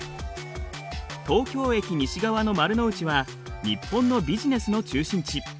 東京駅西側の丸の内は日本のビジネスの中心地。